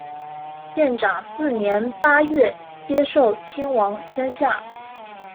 建长四年八月接受亲王宣下。